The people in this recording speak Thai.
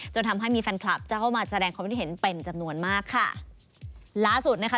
จนทำให้มีแฟนคลับจะเข้ามาแสดงความคิดเห็นเป็นจำนวนมากค่ะล่าสุดนะคะ